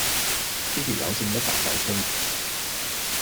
呢條友正一大嚿衰